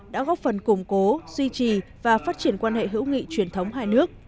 đã góp phần củng cố duy trì và phát triển quan hệ hữu nghị truyền thống hai nước